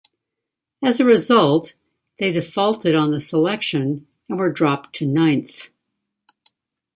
As a result, they defaulted on the selection and were dropped to ninth.